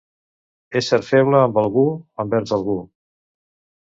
Ésser feble amb algú, envers algú.